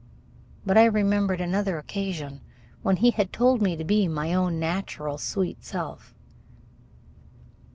But I remembered another occasion when he had told me to be my own natural sweet self.